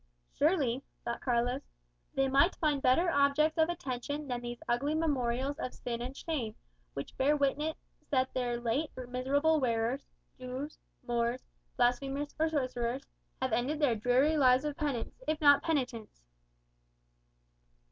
"Surely," thought Carlos, "they might find better objects of attention than these ugly memorials of sin and shame, which bear witness that their late miserable wearers Jews, Moors, blasphemers, or sorcerers, have ended their dreary lives of penance, if not of penitence."